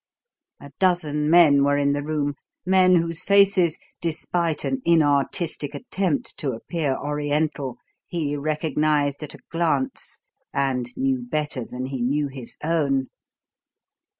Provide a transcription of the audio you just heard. A dozen men were in the room men whose faces, despite an inartistic attempt to appear Oriental, he recognized at a glance and knew better than he knew his own.